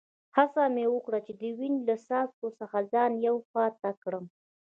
هڅه مې وکړل چي د وینې له څاڅکو څخه ځان یوې خوا ته کړم.